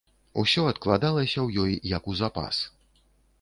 Усё адкладалася ў ёй як у запас.